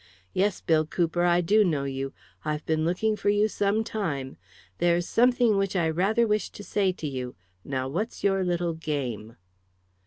"Yes, Bill Cooper, I do know you. I've been looking for you some time. There's something which I rather wish to say to you. Now, what's your little game?"